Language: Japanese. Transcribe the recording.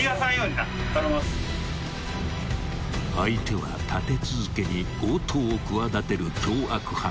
［相手は立て続けに強盗を企てる凶悪犯］